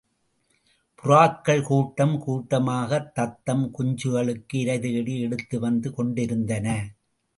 புறாக்கள் கூட்டம் கூட்டமாகத் தத்தம் குஞ்சுகளுக்கு இரை தேடி எடுத்துவந்து கொண்டிருந்தன.